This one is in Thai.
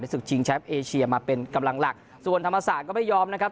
ศึกชิงแชมป์เอเชียมาเป็นกำลังหลักส่วนธรรมศาสตร์ก็ไม่ยอมนะครับ